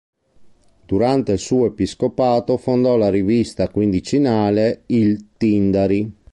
Durante il suo episcopato fondò la rivista quindicinale "Il Tindari".